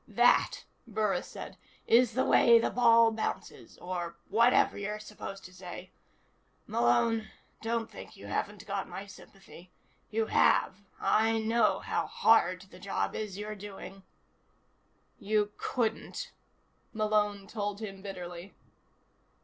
"That," Burris said, "is the way the ball bounces. Or whatever you're supposed to say. Malone, don't think you haven't got my sympathy. You have. I know how hard the job is you're doing." "You couldn't," Malone told him bitterly.